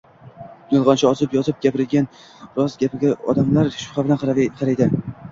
Yolg‘onchi ozib-yozib gapirgan rost gapiga odamlar shubha bilan qaraydi.